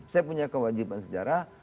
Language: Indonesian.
saya punya kewajiban sejarah